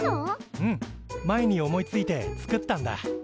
うん前に思いついて作ったんだ。